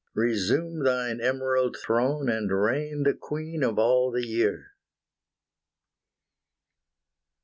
Resume thine emerald throne, and reign The queen of all the year!